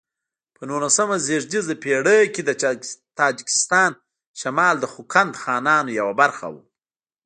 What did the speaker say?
په نولسمه زېږدیزه پیړۍ کې د تاجکستان شمال د خوقند خانانو یوه برخه و.